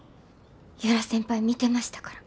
由良先輩見てましたから。